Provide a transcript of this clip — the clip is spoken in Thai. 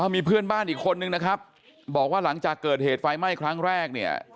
มีเพื่อนบ้านอีกคนนึงนะครับบอกว่าหลังจากเกิดเหตุไฟไหม้ครั้งแรกเนี่ย